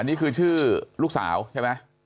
อันนี้คือชื่อลูกสาวใช่ไหม